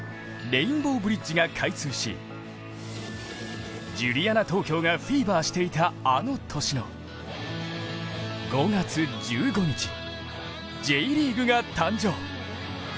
レインボーブリッジが開通しジュリアナ東京がフィーバーしていた、あの年の５月１５日、Ｊリーグが誕生。